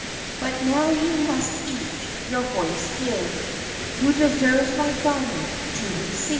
But now you must each your voice give, Who deserves my diamond to receive."